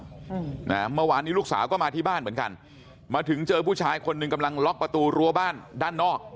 อืมนะเมื่อวานนี้ลูกสาวก็มาที่บ้านเหมือนกันมาถึงเจอผู้ชายคนหนึ่งกำลังล็อกประตูรั้วบ้านด้านนอก